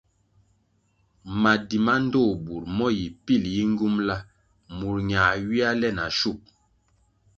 Madi ma ndtoh bur mo yi pil yi ngyumbʼla murʼ ñā ywia le na shub.